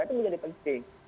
itu menjadi penting